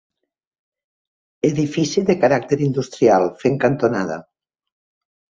Edifici de caràcter industrial, fent cantonada.